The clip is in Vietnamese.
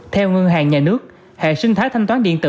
theo ngân hàng nhà nước hệ sinh thái thanh toán điện tử